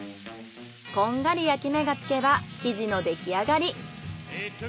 こんがり焼き目がつけば生地の出来上がり。